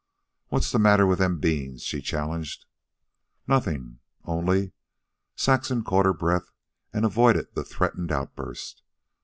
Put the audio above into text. "What's the matter with them beans?" she challenged. "Nothing, only..." Saxon caught her breath and avoided the threatened outburst.